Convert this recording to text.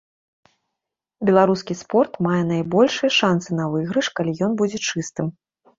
Беларускі спорт мае найбольшыя шанцы на выйгрыш, калі ён будзе чыстым.